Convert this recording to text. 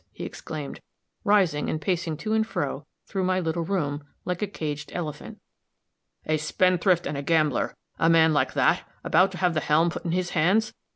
he exclaimed, rising and pacing to and fro through my little room, like a caged elephant. "A spendthrift and a gambler a man like that about to have the helm put in his hands!